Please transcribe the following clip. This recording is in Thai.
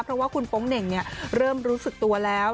เพราะว่าคุณโป๊งเหน่งเริ่มรู้สึกตัวแล้ว